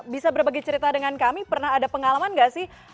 bisa berbagi cerita dengan kami pernah ada pengalaman gak sih